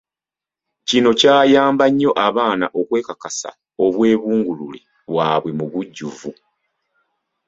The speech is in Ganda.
Kino kyayamba nnyo abaana okwekakasa obwebungulule bwabwe mu bujjuvu.